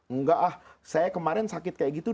enggak ah saya kemarin sakit kayak gitu